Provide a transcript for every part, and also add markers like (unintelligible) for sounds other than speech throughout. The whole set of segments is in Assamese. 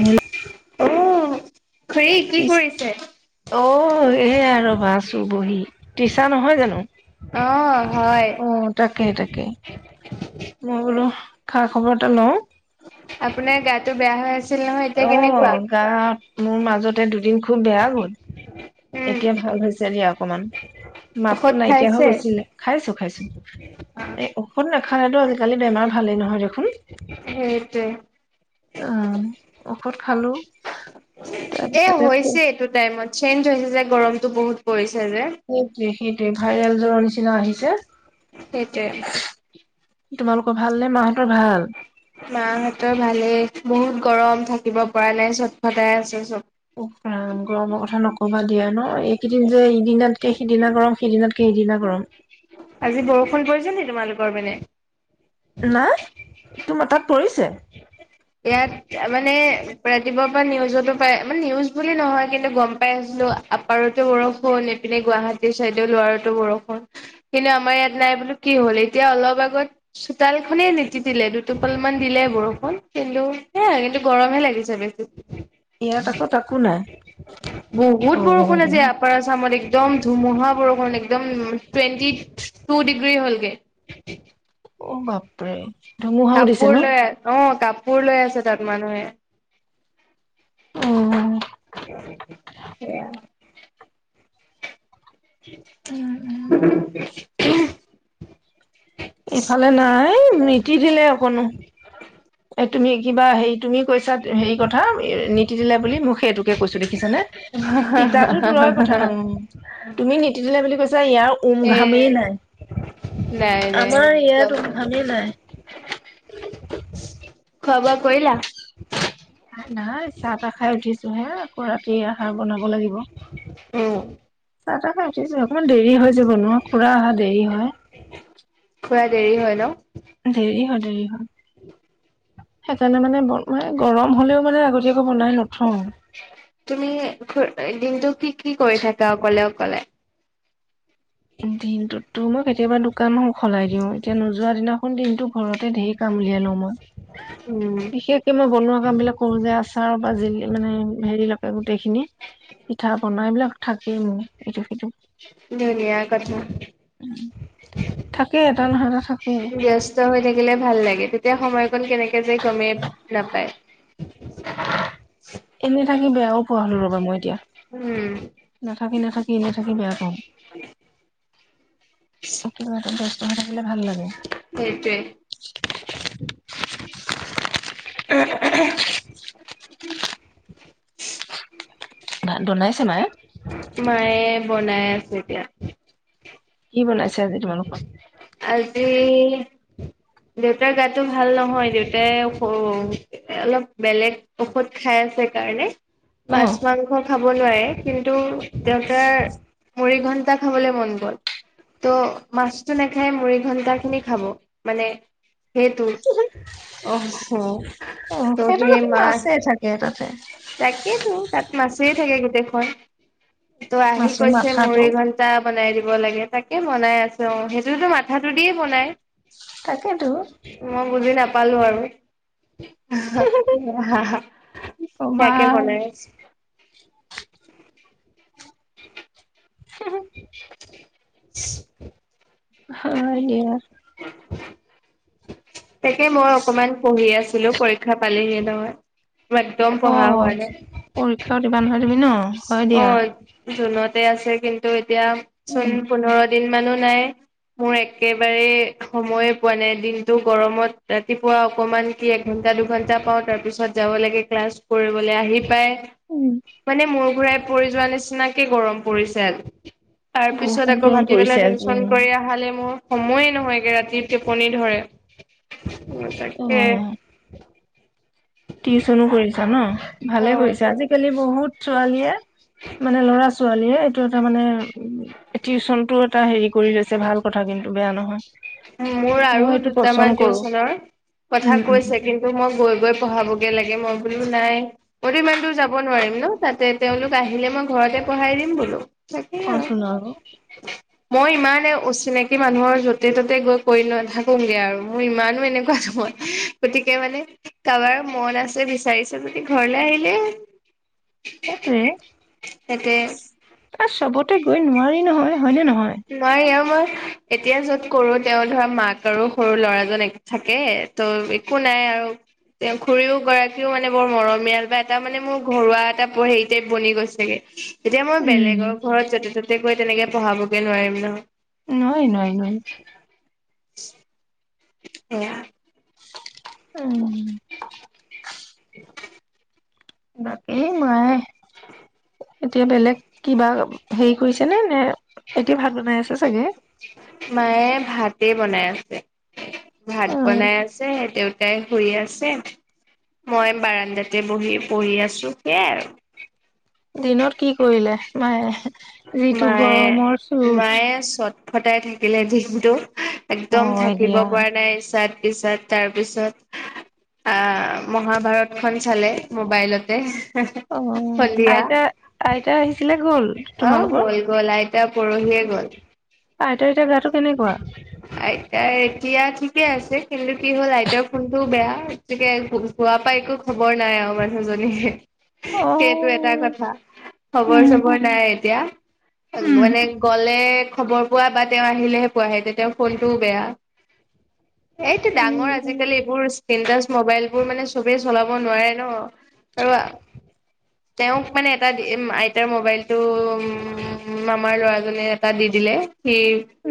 হেল্প। অনু অ' এইয়া ৰ'বা আছো বহি। ত্ৰিচা নহয় জানো। অ', হয়। অ তাকে তাকে মই বোলো খা-খবৰটা লওঁ। আপোনাৰ গাটো বেয়া হৈ আছেটো আহ গা--মোৰ মাজতে দুদিন খুব বেয়া গ'ল। এতিয়া ভাল হৈছে দিয়া অকণমান। মাতটো ঔষধ নাইকিয়া হৈ খাইছে? গৈছিলে খাইছোঁ খাইছোঁ। এই ঔষধ না। খাইটো আজিকালি। বেমাৰ ভালেই নহয় সেইটোৱে, দেখোন--উম ঔষধ খালো এ তাৰপিছতে আকৌ। হৈছে এইটো টাইমত চেঞ্জ হৈছে যে গৰমটো বহুত পৰিছে। যে। সেইটোৱে, সেইটোৱে ভাইৰেল জ্বৰৰ নিচিনা আহিছে। সেইটোৱে, তোমালোকৰ ভাল নে মাহঁতৰ ভাল। মাহঁতৰ ভালেই বহুত গৰম থাকিব পৰা নাই চট ফটাই আছো সব। ক'বা দিয়া ন এইকেইদিন যে এইদিনাতকে সিদিনা গৰম সেইদিনাতকে এইদিনা গৰম। আজি বৰষুণ পৰিছে নেকি তোমালোকৰ ফালে? নাই! তোমাৰ তাত পৰিছে ইয়াত মানে, ৰাতিপুৱাৰ পৰা নিউজতো পাই মানে নিউজ বুলি নহয় কিন্তু গম পাই আছিলো আপাৰতো বৰষুণ এইফালে গুৱাহাটীৰ চাইডে লোৱাৰতো বৰষুণ। কিন্তু আমাৰ ইয়াত নাই বোলো কি হ'ল এতিয়া অলপ আগত চোতাল খনেই নিতিকিলে দুটোপাল মান দিলে বৰষুণ। কিন্তু, সেই কিন্তু গৰমহে লাগিছে বেছি। ইয়াত আকৌ তাকো নাই বহুত অ বৰষুণ আজি আপাৰ আছামত। একদম ধুমুহা বৰষুণ একদম টুৱেণ্টি টু ডিগ্ৰী হ'লগৈ। অ বাপৰে। ধুমুহাও দিছে কাপোৰ ন লৈ অ কাপোৰ লৈ আছে তাত মানুহে। উম সেয়া। উম (inaudible) ইফালে নাই। নিতিতিলে দিলে অকনো। তুমি কিবা হেৰি তুমি কৈছা হেৰি কথা নিতিতিলে বুলি মোক সেইটোকে কৈছো দেখিছানে, তিতাতো দূৰৰ কথা অ', তুমি নিতিতিলে কৈছ যে ইয়াৰ এ উমঘামেই নাই। নাই আমাৰ ইয়াত নাই উমঘামেই নাই। খোৱা বোৱা কৰিলা? নাই। চাহ তাহ খাই উঠিছ। ছো হে। আকৌ ৰাতি আহাৰ বনাব লাগিব। উম। চাহ তাহ খাই উঠিছো হে। অকমান দেৰি হৈ যাব ন, খুৰা অহা দেৰি হয়। পুৰা দেৰি হয় ন। দেৰি হয় দেৰি হয়। সেইকাৰণে মানে ম‌ই গৰম হলেও মানে আগতীয়াকৈ বনাই নথওঁ। তুমি কলে? তোৰ মোৰ কেতিয়াবা দোক কানো সলাই দিওঁ এতিয়া নোযোৱা দিন কোন দিনটো ঘৰত তে ধেৰ কাম উলিয়াই লও মই। উম, বিশেষকে মই বনোৱা কাম বিলাক কৰো যে আচাৰ বাজিল মানে হেৰিলকে গোটেই খিনি পিঠা পনা এইবিলাক থাকেই মো ইটো সিটো। ধুনীয়া। কথা। থাকেব তা নহয় নহয় থা। ব্যস্ত হৈ থাকিলে ভাল লাগে তেতিয়া সময়কণ কেনেকে যে গমেই নাপায়। (inaudible) এনে থাকি বেয়াও পোৱা হলো ৰ'বা মই এতিয়া। উম। হাহিঁ নাথাক বি নাথাকিবি আকৌ। (unintelligible) খালে ভাল লাগে। সেটোৱে (unintelligible) ভাত বনাইছে মায়ে? মায়ে বনাই আছে এতিয়া। কি বনাইছে আজি তোমালোকৰ? আজি দেউতাৰ গাটো ভাল নহয়, দেউতাই অলপ বেলেগ ঔষধ খাই আছে কাৰণে। মাছ অ'। মাংস খাব খাব নোৱাৰে, কিন্তু দেউতাৰ মুৰি ঘন্টা খাবলৈ মন গ'ল। ত মাছতটো নাখাই মুৰি ঘন্টা খিনি খাব। মানে, সেই তো অহ অ ত' সেইটো দেখোন মাছেই থাকে তাতে তাকেইতো তাত মাছেই থাকে গোটেইখন। ত আহি মাছৰ কৈছে মোৰ মাথাটো ঘন্টা বনাই দিব। দিব লাগে তাকে বনাই আছো, অ' সেইটোতো মাথাটো দিয়ে বনাই তাকেতো। মই বুজি না পালো আৰু (unintelligible) কবা সেয়াকে বনাই আছোঁ। (inaudible) (inaudible) হয় দিয়া। তাকেই মই অকমান পঢ়ি আছোঁ। (unintelligible) পৰীক্ষা পালেহিয়ে নহয়। একদম পঢ়া হোৱা অ' নাই পৰীক্ষাও দিবা নহয় তুমি ন, হয় অ দিয়া। জুনতে আছে কিন্তু এতিয়া চোন উম, পোন্ধৰ দিন মানুহ নাই। মোৰ একেবাৰে সময়ে পোৱা নাই দিনটো গৰমত, ৰাতিপুৱা অকমান কি এঘন্টা দুঘন্টা পাওঁ, তাৰপিছত যাব লাগে ক্লাছ কৰিবলৈ আহি পাই। উম মানে মোৰ ঘূৰাই পৰি যোৱা নিচিনাকে গৰম পৰিছে তাৰপিছত বহুত আকৌ গৰম পৰিছে ভাতিবেলা আজি। টিউচন কৰি মোৰ সময়ে নহয়গে, ৰাতি টেপনি ধৰে। অ' তাকে। অ', টিউচনো কৰিছা ন, ভালে অ' কৰিছা আজিকালি বহুত ছোৱালীয়ে মানে ল'ৰা ছোৱালীয়ে এইটো এটা মানে, টিউচন টো এটা হেৰি কৰি লৈছে। ভাল কথা কিন্তু বেয়া নহয়। মোৰ মই আৰু সেইটো পচন্দ দুটামান কৰো টিউচনৰ কথা কৈছে কিন্তু মই গৈ গৈ পঢ়াব একেলগে মই বোলো নাই, মইটো ইমান দূৰ যাব নোৱাৰিম ন, তাতে তেওঁলোক আহিলে মই ঘৰতে পঢ়াই দিম বোলোঁ। তাকেই অ আৰু তোন মই ইমানে অচিনাকি মানুহৰ য'তে ত'তে তাতে গৈ পৰি নাথাকোগে আৰু মোৰ ইমানো এনেকুৱা নহয় গতিকে মানে কাৰোবাৰ মন আছে বিচাৰিছে যদি ঘৰলে আহিলেই সেইটোৱে (unintelligible) ছবতেই (unintelligible) নোৱাৰি নহয়। হয়নে নহয় নাই আমাৰ এতিয়া য'ত কৰো, তেওঁ ধৰা মাক আৰু সৰু ল'ৰাজন থাকে, ত' একো নাই আৰু তেওঁ খুৰীও গৰাকীও মানে বৰ মৰমীয়াল বা এটা মানে মোৰ ঘৰুৱা এটা হেৰি টাইপ বনি গৈছেগে। এতিয়া মই বেলেগৰ ঘৰত য'তে-ত'তে হে তেনেকে পঢ়াৱ। এই নোৱাৰিম নহয়। এই নোৱাৰী নোৱাৰী নোৱাৰী। (inaudible) (inaudible) উ এই নায় এতিয়া বেলেগ কিবা হেৰি কৰিছে নে? নে এতিয়া ভাত বনাই আছে চাগে মায়ে ভাত কি বনাই আছে? ভাত অ বনাই আছে দেত তাই শুই আছে। মই বাৰানণ্ডাতে বহি পঢ়ি আছো। সেয়াই আৰু দিনত কি কৰিলে? মায় যিটো গৰমৰ চুত। সদাই থাকিলে (unintelligible) একদম হয় থাকিব দিয়া পৰা নাই ই্ চাত ্ (unintelligible) পিছত তাৰপিছত আহ মহাভাৰত খন চালে ম'বাইলতে। অ আইতা, আইতা, আহিছিলে গ'ল? অ, তোমালোকৰ গ'ল গ'ল আইতা পৰহিয়ে গ'ল। আইতা (unintelligible) আইতা এতিয়া ঠিকে আছে কিন্তু কি হ'ল, আইতাৰ ফোনটোও বেয়া, গতিকে যোৱাৰ পৰা একো খবৰ নাই আৰু মানুহজনীৰ। অ সেইটো এটা কথা, খবৰ উম চবৰ নাই এতিয়া উম মানে গ বোলে খবৰ পোৱা বা তেওঁ আহিলেহে পোৱাহে যেতিয়া ফোনটোও বেয়া। এইটো ডাঙৰ উম আজিকালি এইবোৰ চিন্তা ম'বাইলবোৰ মানে চবেই চলাব নোৱাৰে ন, আৰু তেওঁক মানে এটা দি আইতাৰ ম'বাইলটো, মামাৰ ল'ৰাজনে এটা দি দিলে। সি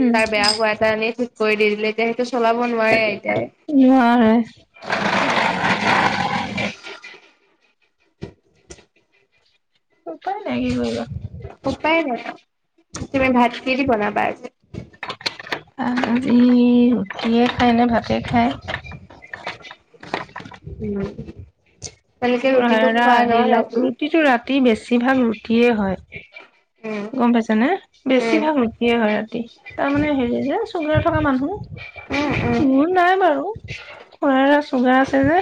উম বেয়া হোৱা এটা এনেই, (inaudible) নোৱাৰে। উপাই নাই কি কৰিবা। উপায় নাই তুমি ভাত কি দি বনাবা আজি? আজি ৰুটিয়ে খায় নে ভাতে খায়। (inaudible) (unintelligible) ৰুটিটো খোৱা ন (unintelligible) ৰাতি? ৰুটিটো ৰাতি বেছি ভাগ ৰুটিয়ে হয়। উম গম পাইছানে? উম বেছিভাগ ৰুটিয়ে হয় ৰাতি তাৰ মানে হেৰি যে চুগাৰ থকা মানুহ। উম উম মোৰ নাই বাৰু খুৰাৰ চুগাৰ আছে যে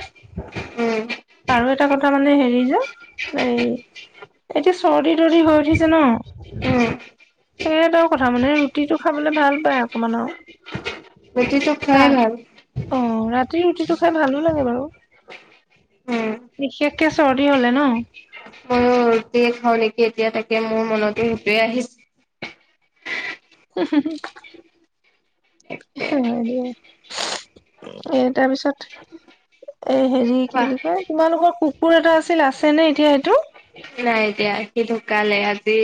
আৰু এটা কথা মানে হেৰি যে এই এতিয়া চৰ্দি তৰ্দি হৈ উঠিছে ন উম সেইটোও কথা মানে ৰুটিটো খাবলৈ ভাল পায় অকমান আৰু ৰুতিটো (unintelligible) ভাল অ (unintelligible) ৰাতি ৰুটিটো খাই ভালো লাগে বাৰু উম বিশেষকে চৰ্দি হলে ন ময়ো ৰুটিয়ে খাওঁ নেকি এতিয়া তাকে মোৰ মনতো সেইটোৱে আহিছে। হা হা হা (unintelligible) এ তাৰপিছত এ হেৰি কি কোৱা বুলি কয় তোমালোকৰ কুকুৰ এটা আছিল আছে নে এতিয়া সেইটো? নাই এতিয়া সি ঢুকালে আজি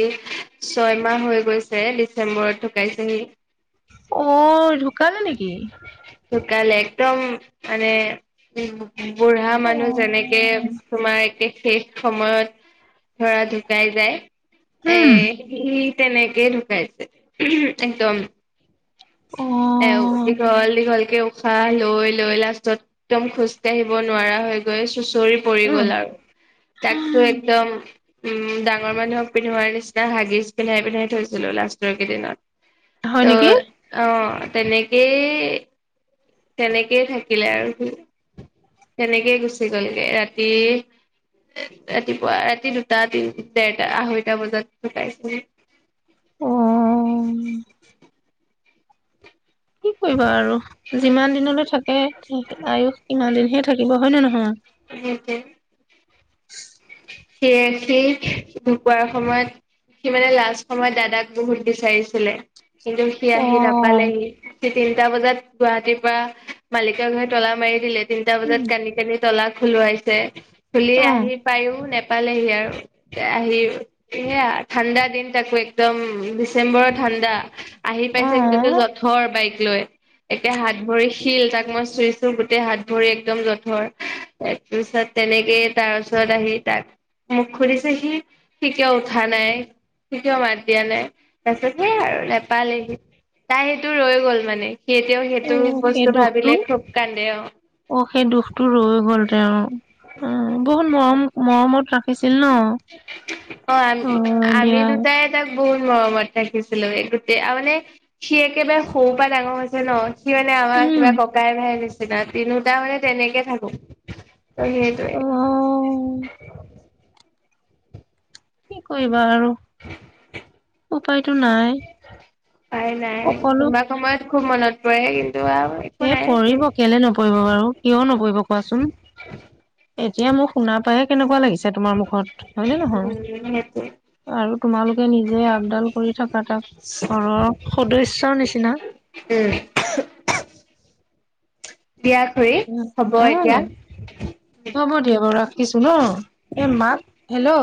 ছয়মাহ হৈ গৈছে ডিচেম্বৰত ঢুকাইছে সি। অ (unintelligible) ঢুকালে নেকি ঢুকালে একদম মানে (unintelligible) বুঢ়া মানুহ যেনেকে উম তোমাৰ (unintelligible) শেষ সময়ত ধৰা ঢুকাই যায় এ (unintelligible) তেনেকেই ঢুকাইছে একদম। অ (unintelligible) দীঘল দীঘল উশাহ লৈ লৈ লাষ্টত একদম খোজকাঢ়িব নোৱাৰা হৈ গৈ (unintelligible) (unintelligible) পৰি গ'ল উম আৰু তাকটো একদম উম ডাঙৰ মানুহক পিন্ধোৱাৰ নিচিনা হাগিজ পিন্ধাই পিন্ধাই থৈছিলো লাষ্টৰ কেইদিনত। ত হয় নেকি? অ তেনেকেই তেনেকেই থাকিলে আৰু সি। তেনেকেই গুচি গ'লগে ৰাতি ৰাতিপুৱা ৰাতি দুটা দেৰটা আঢ়ৈটা বজাত ঢুকাইছিল। অ কি কৰিবা আৰু যিমান দিনলৈ থাকে আয়ুস সিমান দিনহে থাকিব হয় নে নহয়? উম (unintelligible) (unintelligible) সেয়ে সি ঢুকোৱাৰ সময়ত সি মানে লাষ্ট সময়ত দাদাক বহুত বিচাৰিছিলে। কিন্তু সি অ আহি নাপালেহি। (unintelligible) তিনটা বজাত গুৱাহাটীৰ পৰা মালিকৰ ঘৰে তলা মাৰি দিলে। তিনিটা বজাত উম কান্দি কান্দি তলা খোলোৱাইছে। অ (unintelligible) আহি পাইয়ো (unintelligible) পালেহি অ আৰু আহি মোক সুধিছিল সি, সি কিয় উঠা নাই, সি কিয় মাত দিয়া নাই? তাৰ পিছত সেই আৰু নেপালেহি তাইৰ সেইটো ৰৈ গল মানে। সি এতিয়াও সেইটো অ' সেই বস্তু দুখটো ভাবিলে খুব কান্দে অ অ' সেই দুখটো ৰৈ গল তেওঁৰ। উম বহুত মৰম মৰমত ৰাখ ছিল ন, অ আম হয় আমি দিয়া। দুটাই তাক বহুত মৰমত ৰাখিছিলো গোটেই আৰু মানে সি একেবাৰে সৰু পৰা ডাঙৰ হৈছে ন। সি মানে আমাৰ উম, কিবা ককাই ভাইৰ নিচিনা। তিনিওটা মানে তেনেকে থাকো। অ' সেইটোৱে। অ' কি কৰিবা আৰু উপায়তো নাই। উপাই নাই সকলো কোনোবা সময়ত খুব মনত (unintelligible) একো এ নাই পঢ়িব কেলেই নপঢ়িব বাৰু কিয় নপঢ়িব কোৱাচোন? এতিয়া মোৰ শুনা পাইয়ে কেনেকুৱা লাগে। তোমাৰ মুখত হয় নে নহয়? উম সেইটোৱে আৰু তোমালোকে নিজে আপডান কৰি থকা তাক ঘৰৰ সদস্য চৰ নিচিনা উম। দিয়া খুশী হ'ব অ এতিয়া। হ'ব দিয়া বাৰু ৰাখিছো ন। এ মাক হেল্ল'